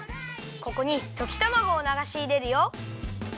ここにときたまごをながしいれるよ。